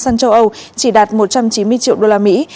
sang châu âu chỉ đạt một trăm chín mươi triệu đô la mỹ